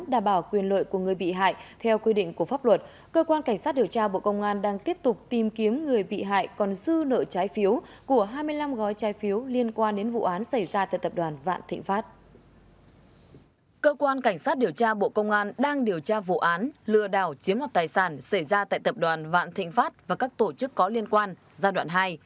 cơ quan cảnh sát điều tra bộ công an đang tiếp tục tìm kiếm người bị hại còn dư nợ trái phiếu liên quan đến vụ án xảy ra tại tập đoàn vạn thịnh pháp và các tổ chức có liên quan